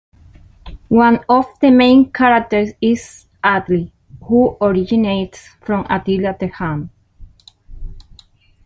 One of the main characters is Atli who originates from Attila the Hun.